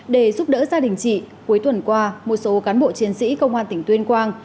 để giúp đỡ gia đình chị cuối tuần qua một số cán bộ chiến sĩ công an tỉnh tuyên quang